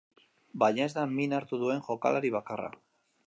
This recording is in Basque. Baina ez da min hartu duen jokalari bakarra.